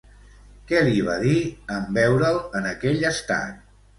Què li va dir en veure'l en aquell estat?